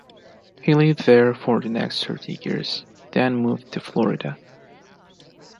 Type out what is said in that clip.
He lived there for the next thirty years, then moved to Florida.